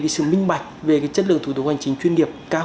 sự minh bạch về chất lượng